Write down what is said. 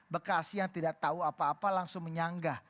bekasi yang tidak tahu apa apa langsung menyanggah